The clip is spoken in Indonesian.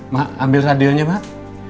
mak ambil radionya mak